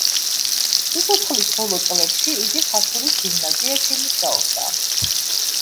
სიცოცხლის ბოლო წლებში იგი ხაშურის გიმნაზიაში მუშაობდა.